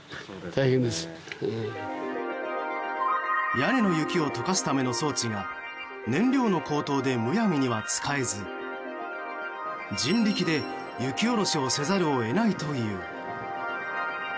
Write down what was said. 屋根の雪を溶かすための装置が燃料の高騰でむやみには使えず人力で雪下ろしをせざるを得ないという。